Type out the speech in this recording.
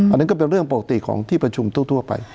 อันนั้นก็เป็นเรื่องปกติของที่ประชุมทั่วไป